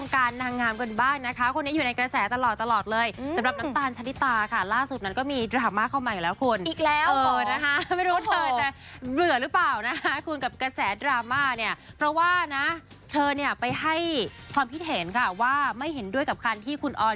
คุณซึ้งคุณดูเป็นใครเหรอแล้วก็ใครเป็นใคร